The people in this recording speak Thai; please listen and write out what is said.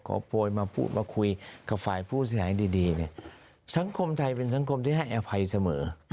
โพยมาพูดมาคุยกับฝ่ายผู้เสียหายดีเนี่ยสังคมไทยเป็นสังคมที่ให้อภัยเสมอ